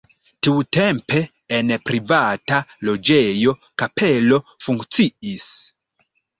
Tiutempe en privata loĝejo kapelo funkciis.